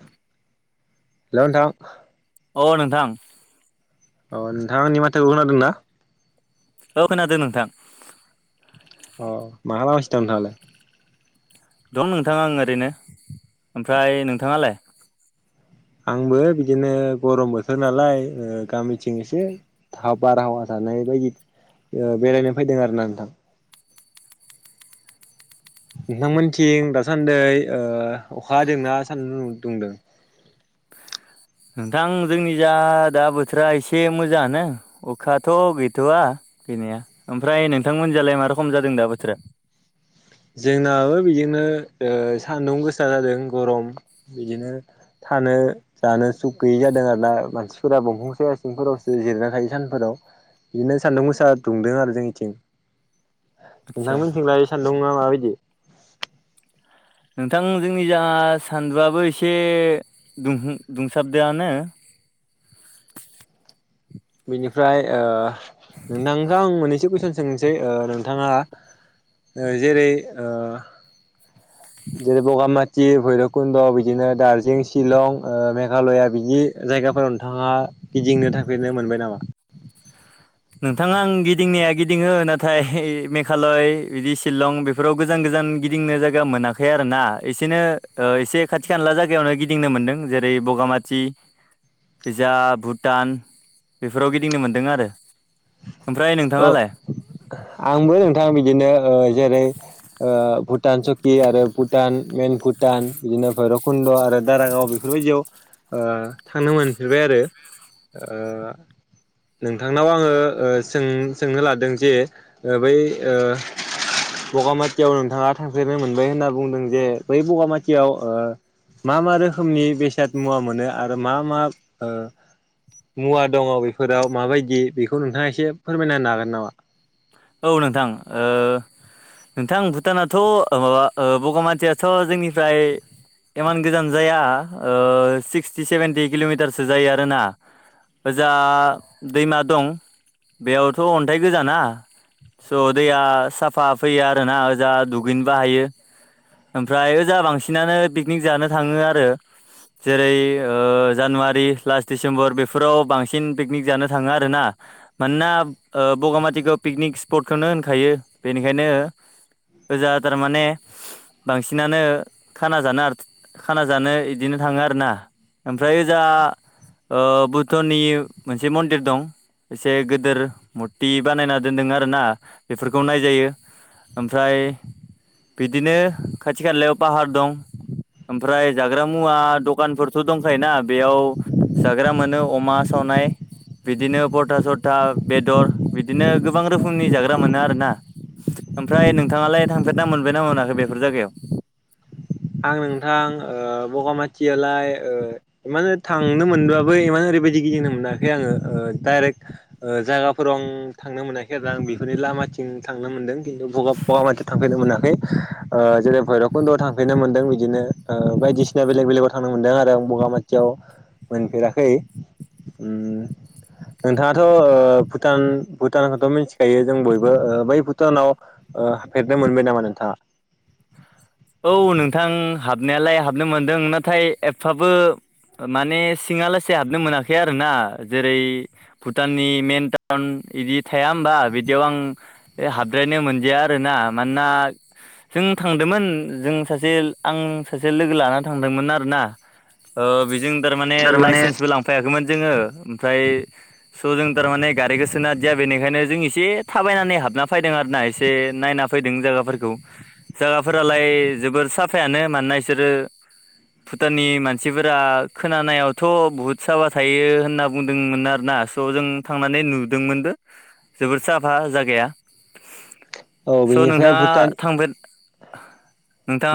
हेल' नोंथां। अ नोंथां। अ नोंथां आंनि माथोखौ खोनादों ना? औ खोनादों नोंथां। अ मा खालामगासिनो नोंथाङालाय? दं नोंथां आं ओरैनो ओमफ्राय नोंथाङालाय? आंबो बिदिनो गरम बोथोर नालाय गामिथिं एसे बारहावा जानो जानायबादि बेरायनो फैदों आरोना नोंथां। नोंथांमोनथिं दासान्दै ओ अखा हादोना सान्दु दुंदों? [inaudible] नोंथां जोंनिजा दा बोथोरा एसे मोजांङानो अखाथ' गैथ'वा। गैनाया ओमफ्राय नोंथांमोननिजालाय मा रोखोम जादों दा बोथोरा? जोंनाबो बिदिनो ओ सान्दुं गोसा जादों गरम बिदिनो थानो जानो सुख गैयै जादों आरोना मानसि फोरा दंफां साया सिंफोरावसो जिरायना थायो सानफोराव । बिदिनो सान्दुं गोसा दुंदों आरो जोंनिथिं। आदसा नोंथांमोनथिंलाय सान्दुंया माबायदि? नोंथां जोंनिजा सान्दुंआबो एसे दह दुंसाबदोंआनो। [inaudible] बिनिफ्राय ओ नोंथांखौ आं मोननैसो कुइसन सोंनोसै नोंथाङा जेरै ओ जेरै बगामाथि भैरबकुन्द' बिदिनो दार्जिलिं शिलं ओ मेघालया बिदि जायगाफोराव नोंथाङा गिदिंनो थांफेरनो मोनबाय नामा? [inaudible] नोंथाङा आं गिदिंनाया गिदिङो नाथाय मेघालय बिदि सिलं बेफोराव गोजान गोजान गोजान गिदिंनो जायगा मोनाखै आरो ना एसेनो एसे खाथि खानला जायगायावनो गिदिंनो मोनदों जेरै जेरै बगामाथि ओजा भुटान बेफोराव गिदिंनो मोन्दों आरो। ओमफ्राय औ नोंथाङालाय आंबो नोंथां बिदिनो ओ जेरै ओ भुटान सकि आरो भुटान मेन भुटान बिदिनो भैरबकुन्द आरो दारागाव गाव बेफोरबायदियाव थांनो मोनफेरबाय आरो ओ नोंथांनाव आङो सों सोंनो लादों जे बै ओ बगामातियाव नोंथाङा थांफेरनो मोनबाय होनना बुंदों जे बै बगामातियाव मा मा रोखोमनि बेसाद मुवा मोनो आरो मा मा ओ मुवा दङ बेफोराव माबायदि बेखौ नोंथाङा एसे फोरमायना हागोन नामा? औ नोंथां ओ नोंथां भुटानाथ' माबा बगामाथियाथ' जोंनिफ्राय इमान गोजान जाया ओ सिक्सटि सेभेेनटि किल'मिटारसो जायो आरोना । जा दैमा दं बेयावथ' अन्थाइ गोजाना स' दैया साफा फैयो आरोना ओजा दुगैनो हायो । ओमफ्राय ओजा बांसिनानो पिकनिक जानो थाङो आरो। जेरै ओ जानुवारि लास्ट डिसिम्बर बेफोराव बांसिन पिकनिक जानो थाङो आरोना। मानोना ओ बगामातिखौ पिकनिक स्पटखौनो होनखायो बेनिखायनो ओजा थारमाने बांसिनानो खाना जानो आरो खाना जानो इदिनो थाङो आरोना ओमफ्राय ओजा बुद्धनि मोनसे मन्दिर दं । एसे गिदिर मुरथि बानायना दोनदों आरो ना बेफोरखौ नायजायो ओमफ्राय बिदिनो खाथि खालायाव फाहार दं। ओमफ्राय जाग्रा मुवा दखानफोरथ' दंखायोना बेयाव जाग्रा मोनो अमा साव सावनाय बिदिनो फरथा सरथा बेदर बिदिनो गोबां रोखो खोमनि जाग्रा मोनो आरो ना। ओमफ्राय नोंथाङालाय थांफेरना मोनबायना मोनाखै बेफोर जायगायाव? आं नोंथां ओ बगामाथियालाय ओ मानो थांनो मोनब्लाबो इमान ओरैबायदि गिदिंनो मोनाखै आङो। डाइरेक्ट ओ जायगाफोराव आं थांनो मोनाखै आरो आं बेफोरनि लामाथिं थांनो मोनदों खिन्थु बगामा बगामाथि थांफेरनो मोनाखै ओ जेरै भैरबकुन्द' थां फ्रायनो मोन्दों बिदिनो ओ बायदिसिना बेलेग बेलेगाव थांनो मोन्दों आरो आं बगामाथियाव मोनफेराखै। [inaudible] उम नोंथाङाथ' ओ भुटान भुटानखौथ' मिथिखायो जों बयबो बै भुटानाव ओ फेरनो मोनबाय नामा नोंथाङा? औ नोंथां हाबनायालाय हाबनो मोनदों। नाथाय एफफाबो माने सिङालासे हाबनो मोनाखै आरो ना जेरै भुटाननि मेन टाउन बिदि थाया होमबा बिदियाव आं हाबद्रायनो मोनदिया आरोना। मानोना जों थांदोंमोन जों सासे आं सासे लोगो लाना थांदोंमोन आरोना। जों थारमाने लाइसेन्सबो लांफायाखैमोन जोङो। ओमफ्राय स' जों थारमाने गारिखो गोसो हादिया। बेनिखायनो जों एसे थाबायनानै हाबना फैदों। ना एसे नायना फैदों जायाफोरखौ जागाफोरा लाय जोबोर साफायानो मानोना इसोरो भुटाननि मानसिफोरा खोनानायावथ' बुहुत साफा थायो होनना बुंदोंमोन आरोना। स जों थांनानै नुदोंमोनबो जोबोर साफा जागाया। औ स' बेनिफ्राय नोंथाङा भुटान थांफेर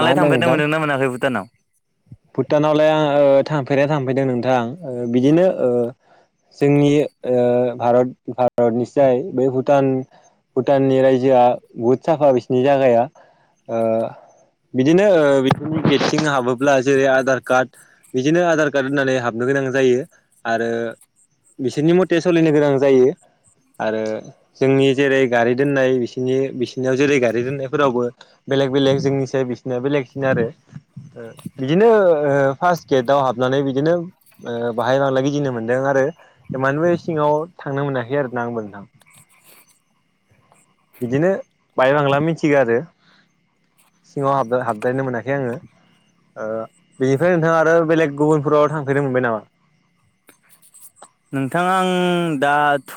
मा होनदों थांफेरनो नोंथां मोनदोंना मोनाखै भुटानाव? भुटानावलाय आं थांफेरा थांफैदों नोंथां आ बिदिनो ओ जोंनि ओ भारत-भारतनिसाय बै भुटान भुटाननि रायजोआ बुहुत साफा बिसिनि जागाया। ओ बिदिनो ओ बिदिनि गेटथिं हाबोब्ला जेरै आधार कार्ड बिदिनो आधार कार्ड होननानै हाबनो गोनां जायो आरो बिसोरनि मथे सोलिनो गोनां जायो। आरो जोंनि जेरै गारि दोननाय बिसनि बिसिनियाव जेरै गारि दोननायफोरावबो बेलेग बेलेग जोंनि सायाव बिसोरना बेलेगसिनो आरो। बिदिनो ओ फार्स्ट गेटआव हाबनानै बिदिनो ओ मालाय गिदोंनो मोनदों आरो। एमानबो सिङाव थांनो मोनाखै आरो ना आंबो नोंथां। बिदिनो बायबांला मिथिगौ आरो। सिङाव हाब-हाबद्रायनो मोनाखै आङो। ओ बेनिफ्राय नोंथाङा आरो बेलेग गुबुनफोराव थांफेरनो मोनबाय नामा? [inaudible] नोंथाङा आं दाथ'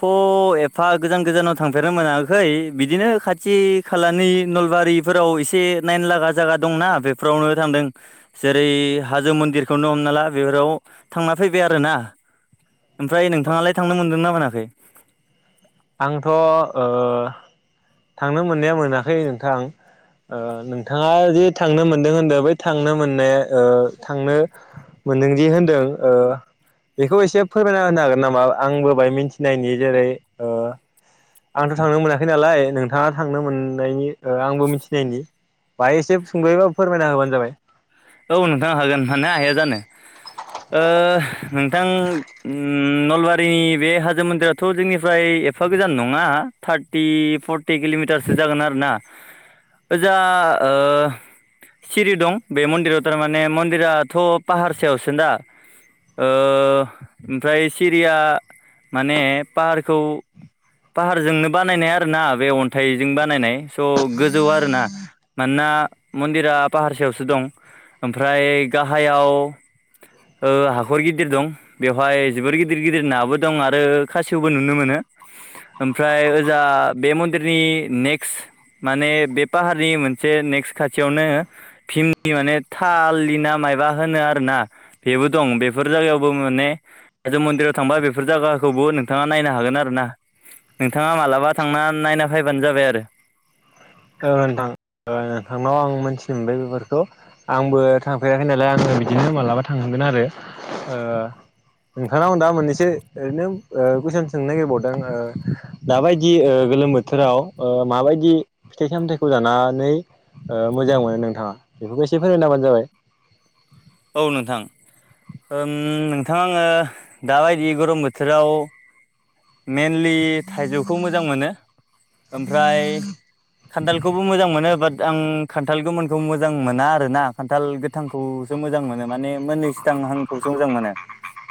एफा गोजान गोजानाव थांफेरनो मोनाखै बिदिनो नो खाथि खालानि नलबारिफोराव एसे नाइन लागा जागा दंना बेफोरावनो थांदों। जेरै हाजो मन्दिरखौनो हमना ला बेफोराव थांना फैबाय आरोना। ओमफ्राय नोंथाङालाय थांनो मोनदोंना मोनाखै? आंथ' ओ थांनो मोननाया मोनाखै नोंथां। ओ नोंथाङा जे थांनो मोनदों होनदों बै थांनो मोननाया ओ थांनो मोनदोंदि होनदों ओ बेखौ एसे फोरमायना होनो हागोन नामा आंबो बाय मिथिनायनि जेरै ओ [inaudible] आंथ' थांनो मोनाखै नालाय नोंथाङा थांनो मोननायनि ओ आंबो मिथिनायनि। बाहाय एसे सुंदयैबाबो फोरमायना होबानो जाबाय। औ नोंथां हागोन मानो हाया जानो ओ नोंथां नलबारिनि बे हाजो मन्दिराथ' जोंनिफ्राय एफा गोजान नङा थार्टि फर्टि किल'मिटारसो जागोन आरोना ओजा ओ सिरि दं बे मन्दिराव थारमाने मन्दिराथ' पाहारसायावसो दा ओ ओमफ्राय सिरिया माने पाहारखौ पाहारजोंनो बानायनाय आरोना बे अन्थाइजों बानायनाय स' गोजौ आरोना मानोना मन्दिरा पाहारसायावसो दं। ओमफ्राय गाहायाव ओ हाखर गिदिर दं। बेवहाय जोबोर गिदिर गिदिर नाबो दं आरो खासेवबो नुनो मोनो ओमफ्राय ओजा आ बे मन्दिरनि नेकस्ट माने बे पाहारनि मोनसे नेकस्ट खाथियावनो फिम माने थाललि ना मायबा होनो आरो ना बेबो दं बेफोर जायगायावबो माने जों मन्दिराव थांबा बेफोर जायगाखौबो नोंथाङा नायनो हागोन आरो ना नोंथाङा मालाबा थांना नायना फैबानो जाबाय आरो। औ नोंथां ओ नोंथांनाव आं मोनथिनो मोनबाय बेफोरखौ आंबो थांफेराखै नालाय आङो बिदिनो मालाबा थांनांगोन आरो ओ नोंथांनाव दा मोननैसो ओरैनो ओ कुइसन सोंनो नागिरबावदों ओ दाबायदि ओ गोलोम बोथोराव ओ माबायदि फिथाइ सामथाइखौ जानानै ओ मोजां मोनो नोंथाङा बेफोरखौ एसे फोरमायना होबानो जाबाय औ नोंथां। ओम नोंथां आङो दाबायदि गरम बोथोराव मेनलि थाइजौखौ मोजां मोनो। ओमफ्राय खान्थालखौबो मोजां मोनो बाट आं खान्थाल गोमोनखौ मोजां मोना आरोना खान्थाल गोथांखौसो मोजां मोनो माने मोननैस थांहांखौसो मोजां मोनो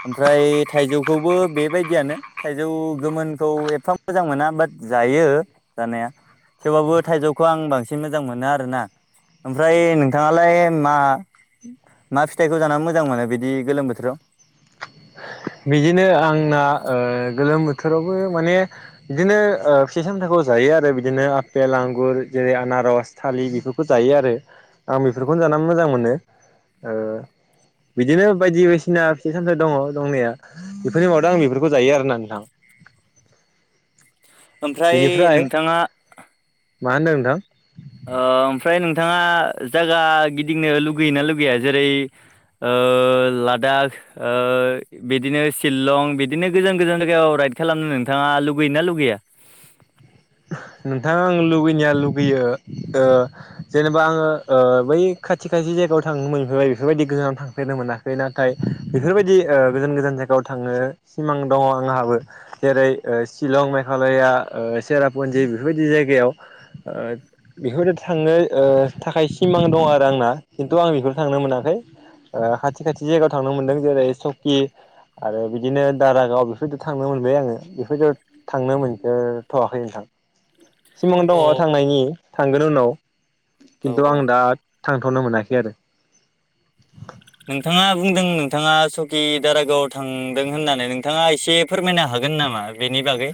ओमफ्राय थाइजौखौबो बेबायदियानो थाइजौ गोमोनखौ एफा मोजां मोना बाट जायो जानाया थेवबाबो थाइजौखौ आं बांसिन मोजां मोनो आरोना ओमफ्राय नोंथाङालाय मा ना फिथाइखौ जानानै मोजां मोनो बिदि गोलोम बोथोराव [unintelligible] बिदिनो आंना ओ गोलोम बोथोरावबो माने बिदिनो ओ फिथाय सामथायखौ खौ जायो आरो बिदिनो आपेल आंगुर जेरै- आनारज थालिर बेफोरखौ जायो आरो आं बेफोरखौ जानानै मोजां मोनो ओ बिदिनो बायदि बायदिसिना फिथाइ सामथाय दङ दंनाया बेफोरनि मादाव आं बेफोरखौ जायो आरोना नोंथां ओमफ्राय बेनिफ्राय नोंथाङा मा होनदों नोंथां? ओमफ्राय नोंथाङा जागा गिदिंनो लुगैयोना लुगैया जेरै- ओ लादाख ओ बिदिनो सिलं बिदिनो गोजान गोजान जायगायाव [unintelligible] [unintelligible] नोंथाङा लुगैयोना लुगैया? नोंथां आं लुगैनाया लुगैयो ओ जेनेबा आङो ओ बै खाथि खाथि जायगायाव थांनो मोनफेरबाय बेफोरबायदि गोजानाव थांफेरनो मोनाखै नाथाय बेफोरबायदि गोजान गोजान जायगायाव थाङो ङो सिमां दं आंहाबो जेरै- ओ सिलं मेघालया ओ सेरा फुनजि बेफोरबायदि जायगायाव ओ बेफोर बायदियाव थांनो ओ थाखाय सिमां दं आरो आं ना खिन्थु आं बेफोराव थांनो मोनाखै ओ खाथि खाथि जायगायाव थांनो मोनदों जेरै- सौकि आरो बिदिनो दारागाव बेफोर बायदियाव थांनो मोनबाय आङो बेफोर बायदियाव थांनो मोनथ'वाखै नोंथां। सिमां दङ औ थांनायनि थांगोन उनाव औ खिन्थु आं औ दा थांथ'नो मोनाखै आरो। नोंथाङा बुंदों नोंथाङा सकि दारागाव थांदों होननानै नोंथाङा एसे फोरमायनो हा गोन नामा बेनि बागै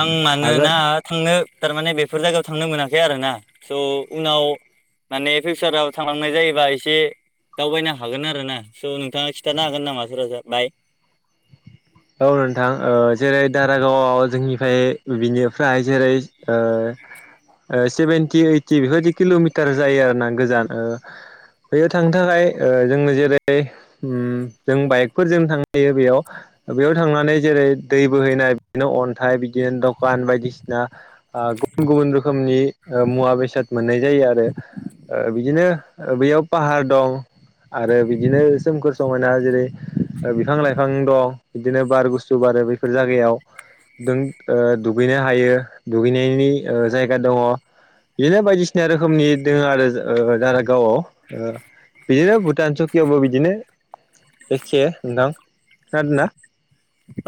आं हागोन मानोना थांनो थारमाने बेफोर जायगायाव थांनो मोनाखै आरोना स' उनाव माने फिउचाराव थांनाय जायोबा एसे दावबायनो हागोन आरोना स' नोंथाङा खिन्थानो हागोन नामा [unintelligible] औ नोंथां ओ जेरै दारागावआव जोंनिफ्राय बिनिफ्राय जेरै ओ ओ सेभेेनटि ओइटि बेफोर बायदि किल'मिटार जायो आरोना गोजान ओ बेयाव थांनो थाखाय ओ जोङो जेरै उम जों बाइकफोरजों थांनो हायो बेयाव। बेयाव थांनानै जेरै दै बोहैनाय बिनो अन्थाइ बि बिदि दखान बायदिसिना ओ गुबुन गुबुन रोखोमनि ओ मुवा बेसाद मोननाय जायो आरो। ओ बिदिनो बैयाव पाहार दं आरो बिदिनो सोमखोर समायना जेरै बिफां लाइफां दं बिदिनो बार गुसु बारो बैफोर जायगायाव नों ओ दुगैनो हायो दुगैनायनि ओ जायगा दङ' । बेनो बायदिसिना रोखोमनि दोङो आरो ओ दारा गावआव। ओ बिदिनो भुटान सकियावबो बिदिनो। एखे नोंथां खोनादोंना?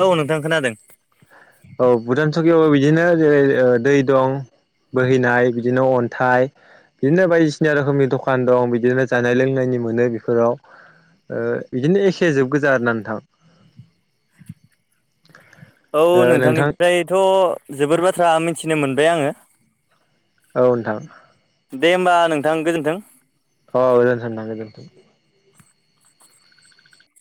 औ नोंथां खोनादों। औ भुटान सकियावबो बिदिनो जेरै ओ दै दं बोहैनाय बिदिनो अन्थाइ बिदिनो बायदिसिना रोखोमनि दखान दं बिदिनो जानाय लोंनायनि मोनो बेफोराव ओ बिदिनो एखे जोब गोजा आरोना नोंथां। औ ओ नोंथां नोंथांनिफ्रायथ' जोबोर बाथ्रा मिथिनो मोनबाय आङो। औ नोंथां। दे होनबा नोंथां गोजोन्थों। औ गोजोन्थों नोंथां गोजोन्थों।